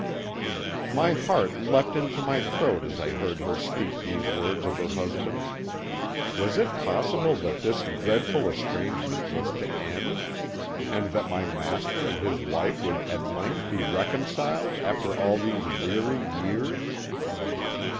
"My heart leapt into my throat as I heard her speak these words of her husband. Was it possible that this dreadful estrangement was to end, and that my master and his wife would at length be reconciled, after all these weary years?